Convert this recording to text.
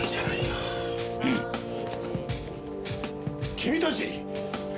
君たち！